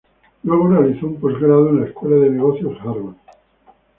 Luego realizó un posgrado en la Escuela de negocios Harvard.